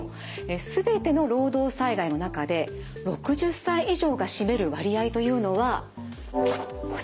全ての労働災害の中で６０歳以上が占める割合というのはこちら。